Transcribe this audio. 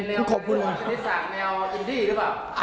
เป็นแนวอินดีหรือเปล่า